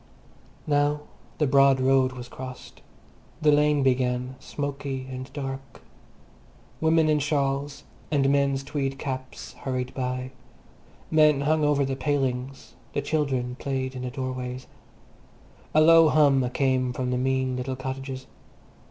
Now the broad road was crossed. The lane began, smoky and dark. Women in shawls and men's tweed caps hurried by. Men hung over the palings; the children played in the doorways. A low hum came from the mean little cottages.